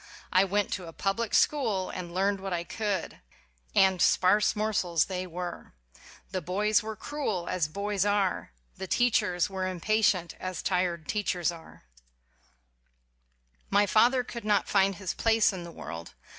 I went to a public school and learned what I could. And sparse morsels they were! The boys were cruel, as boys are. The teachers were impatient, as tired teachers are. 5 WHY I BELIEVE IN POVERTY My father could not find his place in the world.